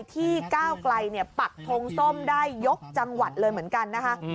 ก้าวไกลปักทงส้มได้ยกจังหวัดเลยเหมือนกันนะคะ